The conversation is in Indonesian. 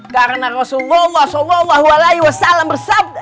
karena rasulullah sallallahu alaihi wasallam bersabda